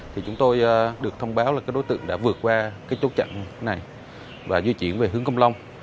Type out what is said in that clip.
thì chúng tôi được thông báo là cái đối tượng đã vượt qua cái chốt chặn này và di chuyển về hướng công long